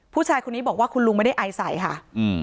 ผู้ชายคนนี้บอกว่าคุณลุงไม่ได้ไอใส่ค่ะอืม